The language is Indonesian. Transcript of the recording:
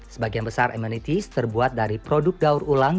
sebagian besar amenities terbuat dari produk daur ulang